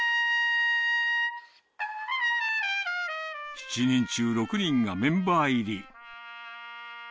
７人中６人がメンバー入り。